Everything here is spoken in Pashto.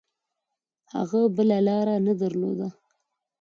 هغه بله لاره نه درلوده.